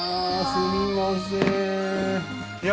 すみませんいや